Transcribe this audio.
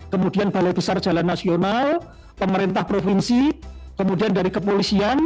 kemudian balai besar jalan nasional pemerintah provinsi kemudian dari kepolisian